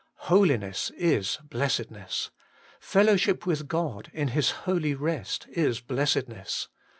Holiness is blessedness. Fellowship with God in His holy rest is blessedness.